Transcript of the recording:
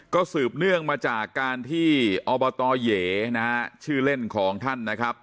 ก็สืบเนื่องมาจากการที่อบตเหยนะฮะชื่อเล่นของท่านนะครับ